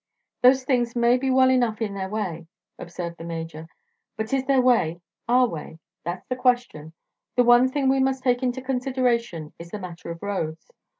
"Those things may be well enough in their way," observed the Major, "but is their way our way? That's the question. The one thing we must take into consideration is the matter of roads.